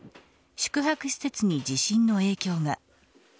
宿泊施設に地震の影響が。